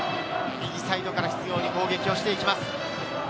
右サイドから執拗に攻撃をしていきます。